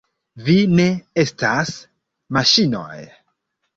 Vi ne estas maŝinoj!